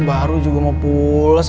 baru juga mau pulas